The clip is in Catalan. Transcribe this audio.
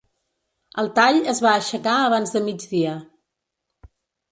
El tall es va aixecar abans de migdia.